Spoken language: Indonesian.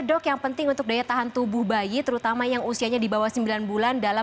dok yang penting untuk daya tahan tubuh bayi terutama yang usianya di bawah sembilan bulan dalam